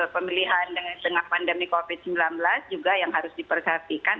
pemilihan dengan tengah pandemi covid sembilan belas juga yang harus diperhatikan